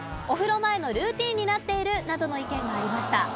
お風呂前のルーティーンになっているなどの意見がありました。